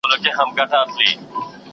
نننۍ ټولنې تر پخوانيو هغو پېچلې دي.